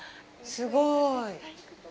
すごい。